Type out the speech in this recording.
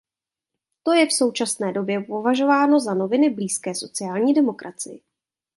To je v současné době považováno za noviny blízké sociální demokracii.